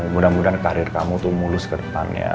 mudah mudahan karir kamu tuh mulus kedepannya